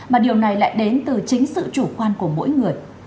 mà điều này lại đến từ chính sự chủ quan của mỗi người